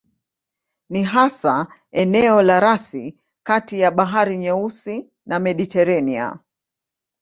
Ni hasa eneo la rasi kati ya Bahari Nyeusi na Mediteranea.